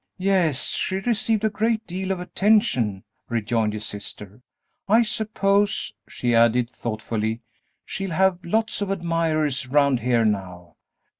"Yes, she received a great deal of attention," rejoined his sister. "I suppose," she added thoughtfully, "she'll have lots of admirers 'round here now."